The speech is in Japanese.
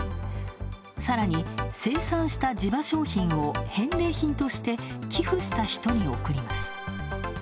さらに、生産した地場商品を返礼品として寄付した人に送ります。